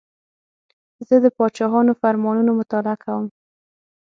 زه د پاچاهانو فرمانونه مطالعه کوم.